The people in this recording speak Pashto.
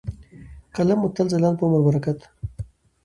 ، قلم مو تل ځلاند په عمر مو برکت .